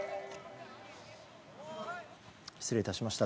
失礼致しました。